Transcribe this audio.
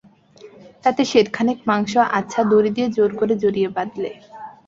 তাতে সেরখানেক মাংস আচ্ছা দড়ি দিয়ে জোর করে জড়িয়ে বাঁধলে।